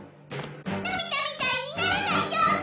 のび太みたいにならないように！